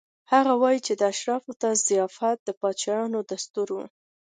هغه وايي چې اشرافو ته ضیافت د پاچایانو دستور و.